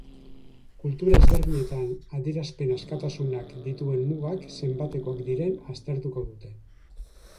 Kultura ezberdinetan adierazpen askatasunak dituen mugak zenbatekoak diren aztertuko dute.